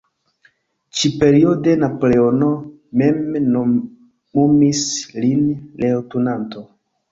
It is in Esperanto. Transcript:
Ĉi-periode Napoleono mem nomumis lin leŭtenanto.